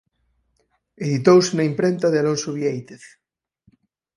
Editouse na imprenta de Alonso Viéitez.